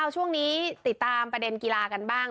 ช่วงนี้ติดตามประเด็นกีฬากันบ้าง